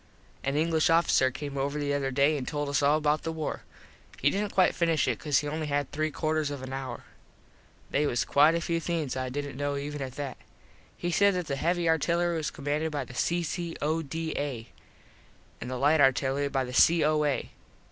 An English officer came over the other day an told us all about the war. He didnt quite finish it cause he only had three quarters of an hour. They was quite a few things I didnt kno even at that. He said that the heavy artillery was commanded by the C.C.O.D.A. an the light artillery by the C.O.A.